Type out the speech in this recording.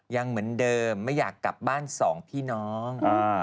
ยังเหมือนเดิมไม่อยากกลับบ้านสองพี่น้อง